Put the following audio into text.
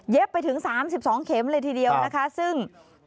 เย็บไปถึงสามสิบสองเข็มเลยทีเดียวนะคะซึ่ง